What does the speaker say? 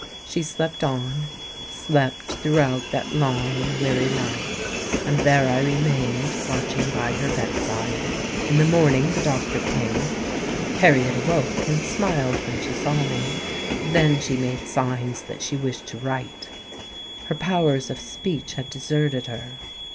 She slept on,—slept throughout that long and weary night; and there I remained, watching by her bed side. In the morning the doctor came: Harriet awoke, and smiled when she saw me. Then she made signs that she wished to write. Her powers of speech had deserted her.